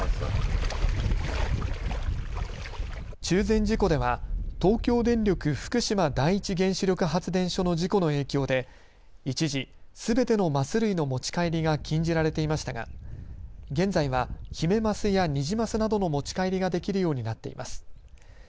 中禅寺湖では東京電力福島第一原子力発電所の事故の影響で一時、すべてのマス類の持ち帰りが禁じられていましたが現在はヒメマスやニジマスなどの持ち帰りができるようになっています。